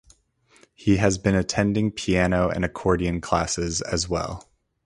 He has been attending piano and accordion classes as well.